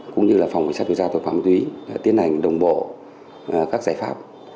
cũng như là phòng cảnh sát điều tra tội phạm ma túy tiến hành đồng bộ các giải pháp